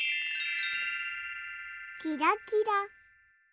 キラキラ。